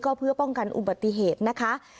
ก็เพื่อป้องกันอุบัติเหตุนะคะ